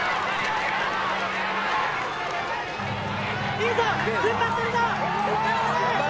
いいぞふんばってるぞ！